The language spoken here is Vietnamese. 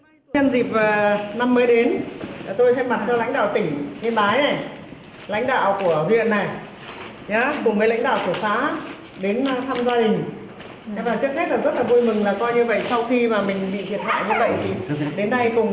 năm mới đến tôi thêm mặt cho lãnh đạo tỉnh yên bài này lãnh đạo của huyện này cùng với lãnh đạo của xã đến thăm gia đình